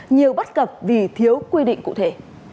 nhiều bất cập vì thiếu quy định cụ thể